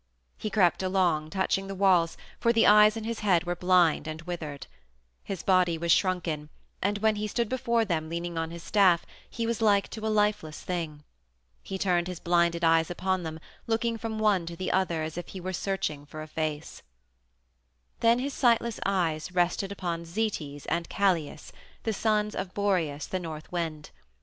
He crept along, touching the walls, for the eyes in his head were blind and withered. His body was shrunken, and when he stood before them leaning on his staff he was like to a lifeless thing. He turned his blinded eyes upon them, looking from one to the other as if he were searching for a face. Then his sightless eyes rested upon Zetes and Calais, the sons of Boreas, the North Wind.